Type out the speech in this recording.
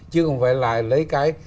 chứ không phải lại lấy cái